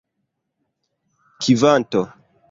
kvanto